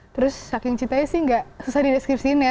terus saking cintanya sih nggak susah dideskripsiin ya